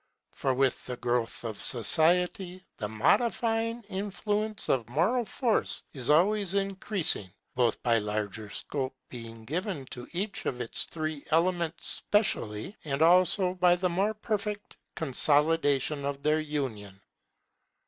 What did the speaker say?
For with the growth of society, the modifying influence of moral force is always increasing, both by larger scope being given to each of its three elements specially, and also by the more perfect consolidation of their union.